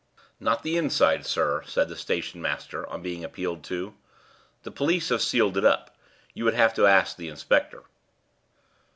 "Not the inside, sir," said the station master, on being appealed to. "The police have sealed it up. You would have to ask the inspector."